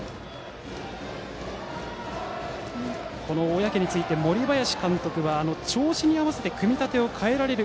小宅について森林監督は調子に合わせて組み立てを変えられる。